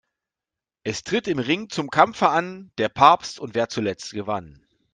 Es tritt im Ring zum Kampfe an: Der Papst und wer zuletzt gewann.